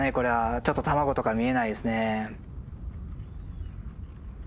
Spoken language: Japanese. ちょっと卵とか見えないですね。